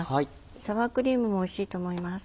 サワークリームもおいしいと思います。